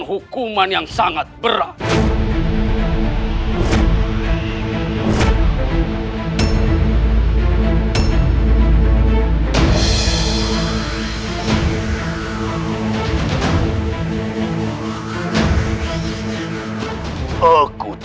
hukuman yang sangat berat